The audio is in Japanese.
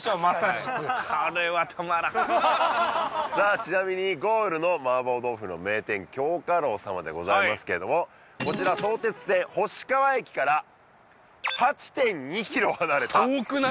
ちなみにゴールの麻婆豆腐の名店京華樓様でございますけどもこちら相鉄線星川駅から８．２ｋｍ離れた遠くない？